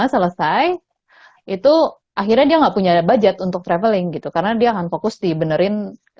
selesai itu akhirnya dia nggak punya budget untuk traveling gitu karena dia akan fokus di benerin